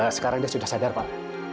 sekarang dia sudah sadar pak